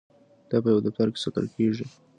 دا په یو دفتر کې ساتل کیږي.